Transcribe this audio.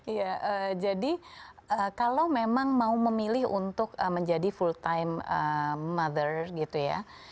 iya jadi kalau memang mau memilih untuk menjadi full time mother gitu ya